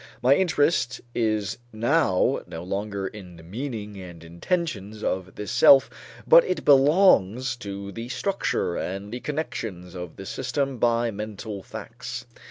My interest is now no longer in the meaning and intentions of this self, but it belongs to the structure and the connections in this system of mental facts.